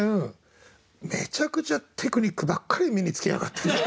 めちゃくちゃテクニックばっかり身につけやがってっていう気もするのよ。